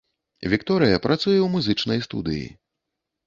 Вікторыя, працуе ў музычнай студыі.